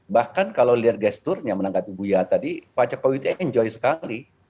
bahkan kalau lihat gesturnya menanggapi buya tadi pak jokowi itu enjoy sekali